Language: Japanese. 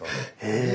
え⁉